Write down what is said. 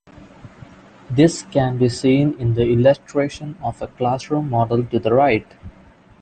This can be seen in the illustration of a classroom model to the right.